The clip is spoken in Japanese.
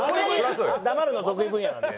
黙るのは得意分野なんで。